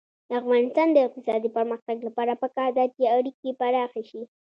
د افغانستان د اقتصادي پرمختګ لپاره پکار ده چې اړیکې پراخې شي.